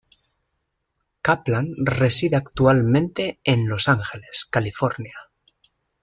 Kaplan reside actualmente en Los Ángeles, California.